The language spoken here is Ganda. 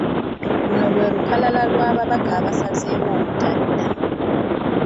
Luno lwe lukalala lw’ababaka abasazeewo obutadda.